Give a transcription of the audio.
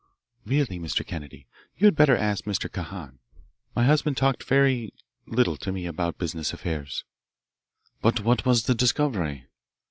"Really, Mr. Kennedy, you had better ask Mr. Kahan. My husband talked very, little to me about business affairs." "But what was the discovery?"